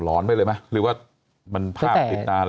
อนไปเลยไหมหรือว่ามันภาพติดตาอะไร